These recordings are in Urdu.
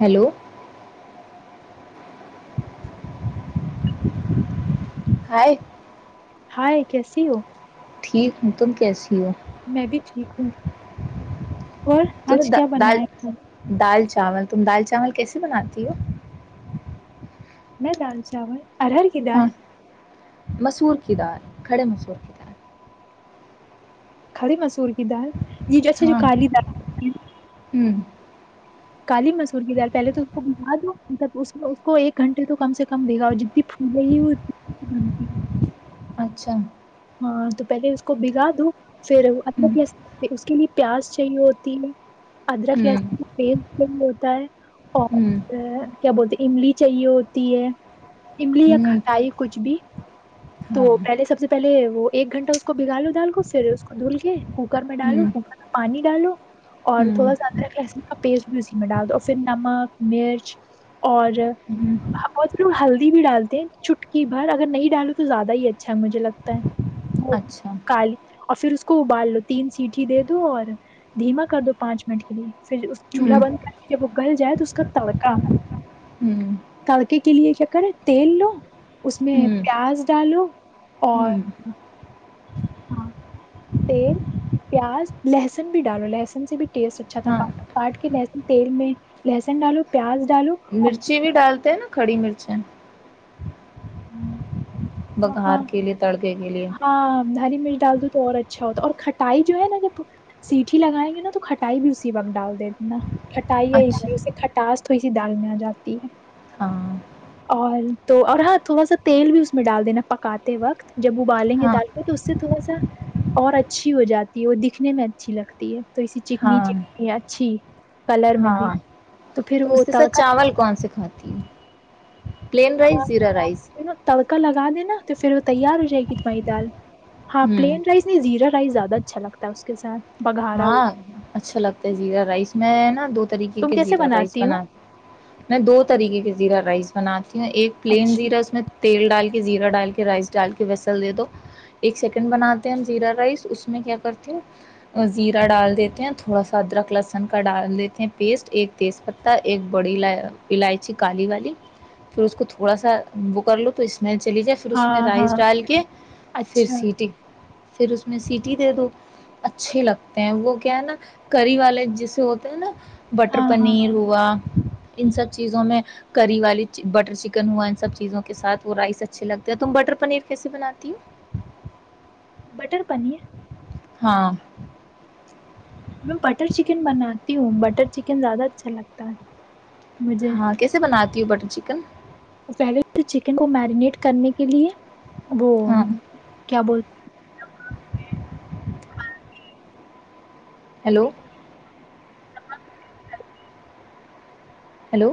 ہیلو ہائی ہیلو، کیسے ہو؟ ٹھیک ہوں، تم کیسے ہو میں بھی ٹھیک ہوں اور آج کھانے میں تم دا- کیا دال بنایا ہے دال، تم دال چاول کیسے بناتی میں دال چاول۔ ہاں [unintelligible] مسور کی دال، کھڑے مسور کی دال۔ کھڑی مسور کی دال دال یہ جیسے جو ہاں کالی دالتی ہے ہوں کالی مسور کی دال پہے تو د مطلب اس اس کو ایک گھنٹے تو کم سے کم دے گا اور جتنی پھولے ہی ہو ا اچھا ہاں تو پہلے اسکو بھیگا دو ہوں [unintelligible] پیاز چاہیے تھی ادرک لہسن ہوں کا پیسٹ ہوں [unintelligible] [unintelligible] کیا بولتے ہیں املی چاہیے ہوتی ہے املی ہوں کٹائی کچھ بھی تو ہاں پہلے سب سے تلے وہ ایک گھنٹہ اس کو بگا لو جان کو سر اس کو دھول گئے ککر میں ڈالوں ہوں گا پانی ڈالوں اور ہوں تھوڑا سا ادرک لہسن کا پیسٹ بھی اسی میں ڈال دو پھر نمک مرچ اور ہوں ہیلدی بھی ڈالتے ہیں چٹکی بھر اگر نہیں ڈالو تو زیادہ ہی اچھا مجھے لگتا ہے وہ اچھا کالی اور پھر اس ابال لو تین سیٹھی دے دوں اور دھیما کر دو پانچ منٹ کے لیے پھر اس ہوں چولہا بند کر کے جب گل جائے تو اس کا تڑکا ہوں کارکے کے لیے شکر ہے تیل لو اس میں ہوں پیاز ڈالو اور ہوں ہاں پیاز لہسن بھی ڈالو لہسن سے بھی ٹیسٹ اچھا ہاں تھا کاٹ کے نیز میں تیل میں لہسن ڈالو پیاز ڈالو مرچیں بھی ڈالتے نا کھڑی مرچیں اور ہاں بگھار کے لیے تڑکے کے لیے ہاں دھاری مرچ ڈال دو اور اچھا ہوتا ہے اور کھٹائی جو ہے نا جب سیٹھی لگائیں گے نا تو کھٹائی بھی اسی وقت ڈال دیتے نا کھٹائی ہے اچھا مےے ک تاس تھوڑی سی دال میں آ جاتی ہے ہاں اور تو اور ہاں تھوڑا سا تیل بھی اس میں ڈال دینا پکاتے وقت جب ابالیں گے ہاں دال کو تو اس سے تھوڑا سا اور اچھی ہو جاتی ہے اور دکھنے میں اچھی لگتی ہے تو اسی چکنی ہاں چکنی اچھی کلر میں بھی ہاں تو پھر تم وہ اس کے ساتھ تڑکا چاول کون سے کھاتی ہوں تڑکا لگی ہے نا تو پھر تیار ہو جائے گی تمہاری دال ہاں ہوں پلین رائس نے زیادہ اچھا لگتا ہے اس کے ساتھ بگھارا ہو ہاں اچھا لگتا ہے زیدہ رائس میں ہے نا دو طریقے تم کے کیسے زیرہ رائس بناتی ہو بنا میں دو طریقے کے زیرہ رائس بنا ایک پلین اچھا زیرہ اس میں تیل ڈال کے زیرہ ڈال کے رائس ڈال کے ویسل دے دو ایک سیکنڈ بناتے ہیں زیرہ رائس اس میں کیا کرتی ہوں وزیرہ ڈال دیتے ہیں تھوڑا سا ادرک لہسن کا ڈال لیتے ہیں پیسٹ ایک تیز پتہ ایک بڑی الائچی کالی والی پھر اس کو تھوڑا سا وہ کر لو تو اس میں چلی جائے پھر اس میں ہاں ہاں رائس ڈال کے پھر اچھا سیٹی پھر اس میں سیٹی دے دو اچھے لگتے ہیں وہ کیا ہے نا کری والے جسے ہوتے ہیں نا بٹر ہاں ہاں پنیر ہوا ان سب چیزوں میں کری والی بٹر چکن ہوا ان سب چیزوں کے ساتھ وہ رائس اچھے لگتے ہو تم بٹر پنیر کیسے بناتی ہوں بٹر پنیر ہاں میں بٹر چکن بناتی ہوں بٹر چکن زیادہ اچھا لگتا ہے مجھے ہاں کیسے بناتی ہوں بٹ چکن کو میرینیٹ کرنے کے لیے وہ ہاں کیا بول ہیلو ہیلو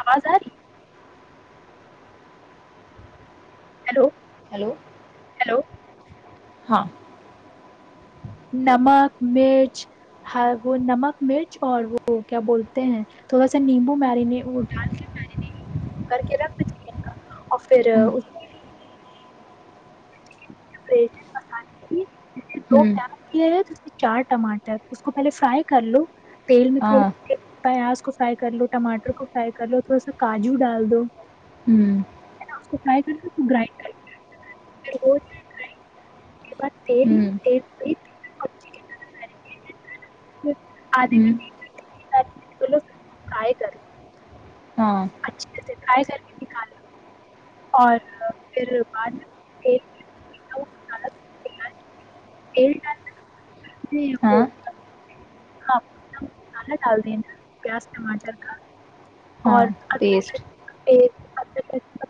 اواز ا رہی ہے ہیلو ہیلو ہیلو [inaudible] نمک مرچ وہ نمک مرچ اور وہ کیا بولتے ہیں تھوڑا سا نیمبو میرینے اوٹ ڈال کے میری نے کر کے رکھ اور پھر ہوں [inaudible] ہوں اس کے چار ٹماٹر اس کو پہلے فرائی کر لو تیل میں ہاں تھوڑی پیاز کو فرائی کر لو ٹماٹر کو فرائی کر لو تھوڑا سا کاجو ڈال دو ہوں نا اس کو ٹرائی کر کے ہاے ریت اچھی کی طرح کریں گے آد ہوں گن و کا کر ہاں اچھے سے فرائی کر کےال اور پھر بعد میں مالیل ڈال وہ ہاں ہاں مسالہ ڈال دینا پیاز ٹماٹر کا ہاں اورک پ پیسٹ کا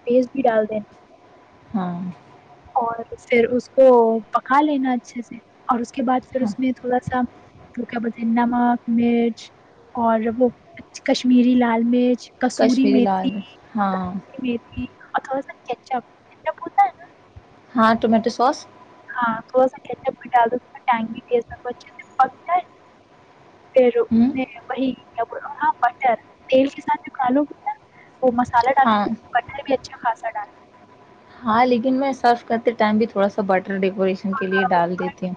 پیسٹ بھی ڈال دین ہاں اور پھر اس کو پکا لینا اچھے سے اور اس کے بعد پھر ہاں اس میں تھوڑا سا کیا بولتے ہیں نمک مرچ اور وہ کشمیری لال مرچ کسوری کشمیری م لال تھی مرچ ہاں ک مھی اور تھوڑا ساچ اپپ ہوتا ہے نا ہاں ٹومیٹو سوس ہاں تھوڑا ساال دوا ٹگی پھر ہوں وہی بٹر تیل کے ساتھ میںکا لو بٹر وہ مسالہ ڈالا ہاں بٹر بھی اچھا خاصا ڈر ہاں لیکن میں سرف کرتے ٹائم بھی تھوڑا سا بٹر ڈیکوریشن کے لیے ڈالنا ڈال دیتی ہوں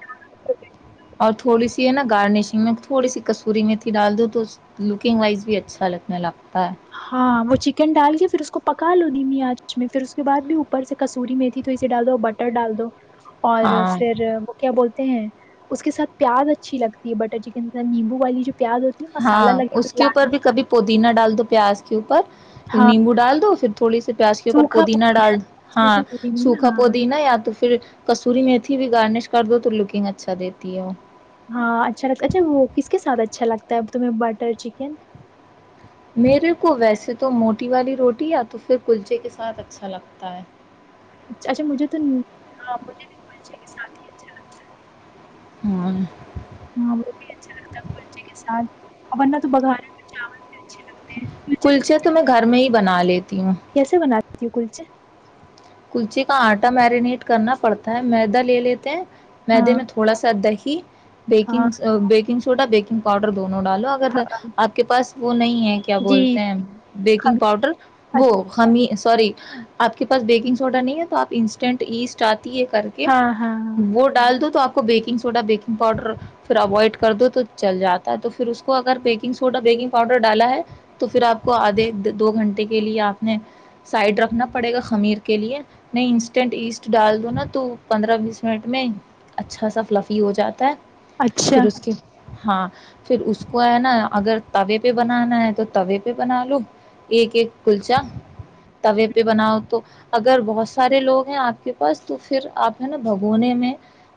اور تھوڑی سی ہے نا گارنشنگ میں تھوڑی سی کسوری میں تھی ڈال دو تو لکنگ وائز بھی اچھا لگنے ل ہاں وہ چ چکن ڈال کے پھر اس کو پکا لو دم آچ میں پھر اس کے بعد بھی اوپر سے کسوری میں تھی تو اسے ڈال دو بٹر ڈال دو اور ہاں پھر وہ کیا بولتے ہیں اس کے ساتھ پیاز اچھی لگتی ہے بٹر چکن کے ساتھ نیمبو والی جو پیاز ہوتی ہے مسالہ ہاں اس لگے کے اوپر لال بھی کبھی پودی نہ ڈال دو پیاز کے اوپر یہ ہاں نیمبو ڈال دو پھر تھوڑی سی پیاز کے اوپر سوکھا پودینا پودینہ ڈال ہاں سوکھا پودینہ سوکھا ہاں پودینا یا تو پھر کسوری میں ا بھی گارنش کر دو تو لکنگ اچھا دیتی ہے ہاں اچھا لگتا اچھا وہ کس کے ساتھ اچھا لگتا ہے اب تمہیں بٹر چکن میرے کو ویسے تو موٹی والی روٹی یا تو پھر کلچے کے ساتھ اچھا لگتا ہے اچھا مجھے تو ہاں مجھے بھی ساتھ ہی اچھا لگتا ہے ہاں ہاں وہ بھی اچھا لگتا ہے کلچے کے ساتھ اور ورنہ تو بگار چاول بھی اچھے لگتے ہیں کلچے تو میں گھر میں ہی بنا لیتی ہوں تی کلچے کلچی کا آٹا میرینیٹ کرنا پڑتا ہے میدا لے لیتے ہیں م دے ہاں میں تھوڑا سا ادا ہی ج ہاں بیکن بیکن سوایکنگؤڈر دو ڈالو اگر ہاں اپ کے پاس وہ نہیں ہے کیا جی بولتے ہیں کھا- بیکنگ پاؤڈر اچ- وہ خامی سوری اپ کے پاس بیکنگ چھوٹا نہیں ہے تو اپ انسٹنٹ ایسٹ یہ کر کے ہاں ہاں ہاں وہ ڈال دو تو اپ کو بیکنگ سوڈا بیکنگ پاؤڈر فراوائٹ کر دو تو چل جاتا ہے تو پھر اس کو اگر پیکنگ سوڈا بیکنگ پاؤڈر ڈالا ہے تو پھر اپ کو ادھے دو گھنٹے کے لیے اپ نے سائیڈ رکھنا پڑے گا خمیر نے انسٹنٹ ایسٹ ڈال دو نا توپنڈرا بیس منٹ میں اچھا سا فلفی ہو جاتا ہے اچھا پھر اس کے ہاں پھر اس کو ہے نا اگر تابع بھی بنانا ہے تو توے بھی بنا لو ایک ایک کھل جا توے پہ بناؤ تو اگر بہت سارے لوگ ہیں آپ کے پاس تو پھر آپ ہے نا بھگونے میں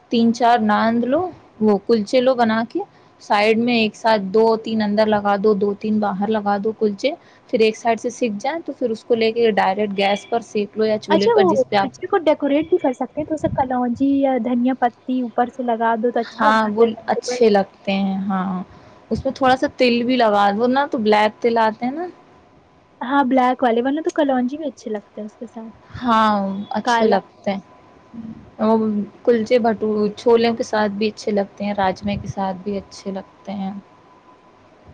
تین چار ناند لو وہ کلچے لو بنا کے سائڈ میں ایک ساتھ دو تین اندر لگا دو دو تین باہر لگا دو کلچے پھر ایک سائڈ سے سیکھ جائیں تو پھر اس کو لے کے ڈائریکٹ گیس پر سینک لو یا چولہے اچھا پر جس پہ آپ کو ڈیکوریٹ بھی کر سکتے تو اسے کلونجی دھنیا پتی اوپر سے لگا دو تو اچھا ہاں لگتا گل ہے اچھے لگتے ہیں ہاں اس میں تھوڑا سا تل بھی لگا وہ نا تو بلیک ہاں بلیک والے ورنہ تو کلونجی میں اچھے لگتے ہو اچھے لگتے ہیں چھولے کے ساتھ بھی اچھے لگتے ہیں راج میں کے ساتھ بھی اچھے لگتے ہیں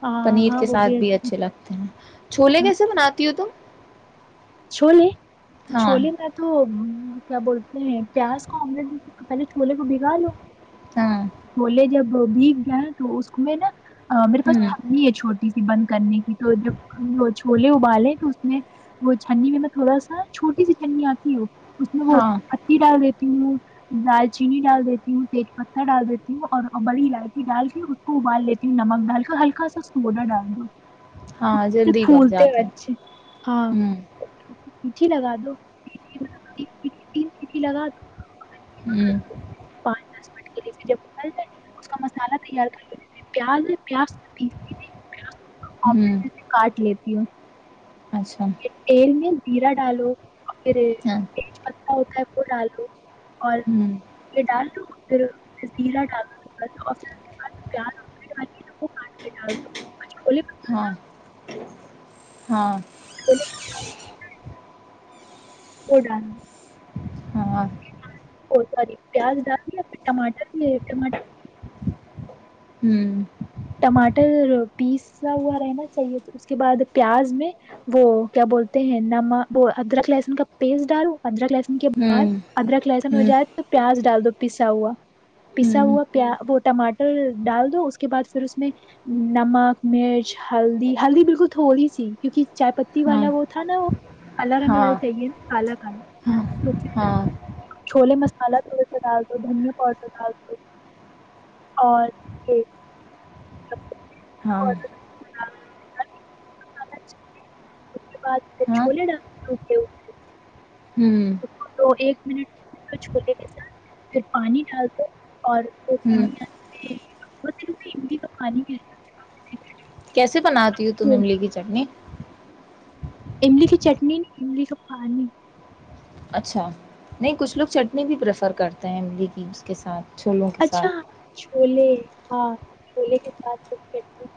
ہاں پنیر ہاں کے وہ ساتھ بھی اچھے لگتے ہیں چھولے کیسے بناتی ہو تم چھو لے ہاں جھولی میں تو کیا بولتے ہیں پیاز کو پہلے چھولے کو بگا لو ہاں بولے جب تو اس میں نا میرے پاس ہ نہیں ہے چھوڑ [unintelligible] کرنے کی تو جب چھولے وعلیک اس میں میں تھوڑا سا چھوٹی سی تنی اتی ہوں ہاں [unintelligible] دارچینی ڈال دیتی ہوں تیری پتھر ڈال دیتی ہوں اور بڑی الائچی ڈال کے اس کو ابال لیتی ہوں نمک ڈال کر ہلکا سا اس کو گودا ڈال دو ہاں سے جلدی کب پھولتے جاتے ہیں ہیں مجھے لگا دو [unintelligible] پانچ دس [unintelligible] اس کا مصالحہ تیار کر کے پیاز پیاز ہ [unintelligible] اچھا [unintelligible] یرا ڈالو [unintelligible] ہاں [unintelligible] اور ہ یہ ڈال دو [inaudible] [unintelligible] ہاں ہاں [unintelligible] بھٹورے [inaudible] [unintelligible] [unintelligible] ھم ٹماٹر پیسا ہوا رہنا چاہیے اور اس کے بعد پھر پیاز نہیں وہ کیا بولتے ہیں ادرک لہسن کا پیسٹ ڈال ادرک لسن کے بعد ادرک لسن ہو جائے تو پیاز ڈال دو ان اردو پیسا ہوا ان اردو پیچان ہ ہوا پیال اور ٹماٹر ان اردو پھر ڈال دو اس کے بعد۔ یا مختصر طور پر ہلدی، بالکل تھوڑی سی ہ آپ ہاں کے جملے ہاں کو اردو ہاں میں ہاں یوں لکھا جا سکتا ہے کا ہندی ترجمہ [unintelligible] [unintelligible] ہاں [unintelligible] ہاں [unintelligible] ھم اوپر [unintelligible] ہوں تم [unintelligible] املی کی چٹنی کیسے بناتی ہیں ہو املی کی چٹنیاملی کا پانی چھا، کچھ لوگ املی کی چٹنی بھی پسند کرتے ہیں۔ چھولوں کے اچھا، ساتھ چولے ہیں۔ [unintelligible]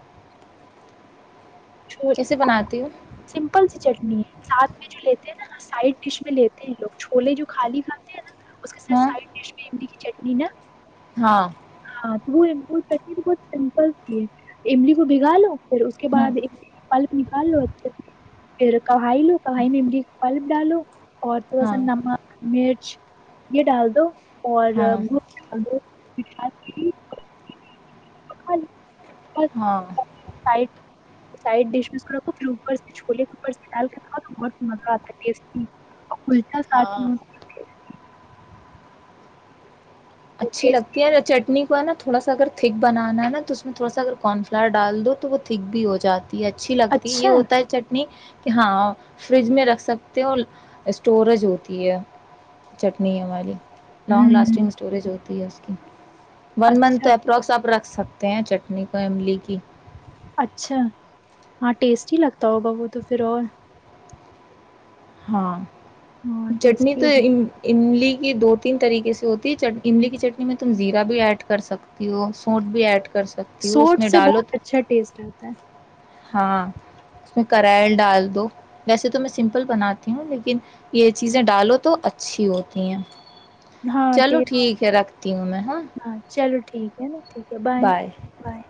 چولوں کیسے بناتی ہو کے ساتھ سادہ چٹنی ساتھ میں لیتے ہیں نا سائیڈ ڈش میں لیتے ہیں لوگ چولہے جو خالی رہتے ہیں نا اس کے ساتھ ہاں سائیڈ ڈش میں ان کی چٹنی نا ہاں ان اردو [unintelligible] ریسپی تو بہت سادہ سی ہے، املی کو بس ہاں بھگو لو۔ ہاں ہاں ہاں [unintelligible] شاید دیش میں اسکو رکھو پھیر اوپر سے چھولے ڈالکر کھاؤ بہت مزہ آتا ہے اور کلچا ساتھ ہاں ہوں اچھی ٹیسٹی لگتی ہے نہ چٹنی تھوڑا سا اگر تھک بنانا ہے نا تو اس میں تھوڑا سا اگر کارن فلاور ڈال دو تو وہ تھک بھی ہو جائے یہ اچھی لگتی ہے اچھا یہ ہوتا ہے چٹنی کہ ہاں فرج میں رکھ سکتے ہو سٹوریج ہوتی ہے چٹنی ہماری لانگ ہوں لاسٹنگ سٹوریج ہو رہی ہے اواز نہیں اچھا سمجھ میں ارہی ہے انرجی [inaudible] [unintelligible] سکتے ہیں چٹنی پر املی کی اچھا ہاں ٹیسٹ ہی لگتا ہوگا وہ تو پھر اور ہ ہاں چٹنی ٹیسٹی تو ہو جائے، املی یہ دو تین طریقے سے ہوتی ہے چٹ املی کی چٹنی میں تم زیرہ بھی ایڈ کر سکتی ہو سوٹ بھی ایڈ کی سوٹ سے بہت اچھا ٹیسٹ رہتا ہے ہاں اس نے کریل ڈال دو ویسے تو میں سمپل بناتی ہوں لیکن یہ چیزیں ڈالو تو اچھی ہوتی ہیں ہاں چلو ٹیسٹ ٹھیک ہے رکھتی ہوں میں ہاں ٹھیک ہیں اوکے بائے بائے